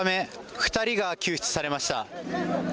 ２人が救出されました。